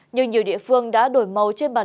nhưng nhiều địa phương đã đổi màu trên bàn